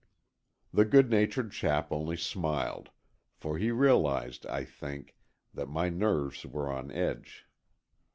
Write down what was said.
The good natured chap only smiled, for he realized, I think, that my nerves were on edge.